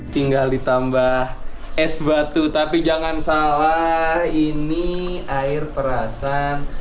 tinggal ditambah es batu tapi jangan salah ini air perasan